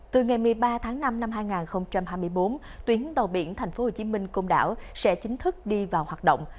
từ ngày một mươi ba tháng năm năm hai nghìn hai mươi bốn tuyến tàu biển tp hcm cùng đảo sẽ chính thức đi vào hoạt động